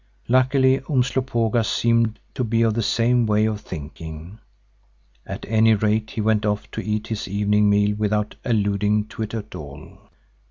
Luckily Umslopogaas seemed to be of the same way of thinking; at any rate he went off to eat his evening meal without alluding to it at all.